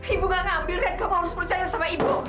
ibu nggak ngambil ren kamu harus percaya sama ibu